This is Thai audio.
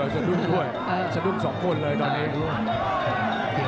สะดุ้งด้วยสะดุ้งสองคนเลยตอนนี้